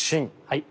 はい。